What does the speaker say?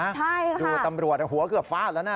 ใช่ค่ะดูตำรวจหัวเกือบฟาดแล้วนะ